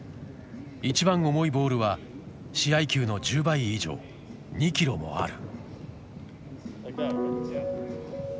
一番重いボールは試合球の１０倍以上２キロもある。